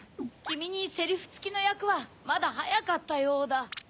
きみにセリフつきのやくはまだはやかったようだ。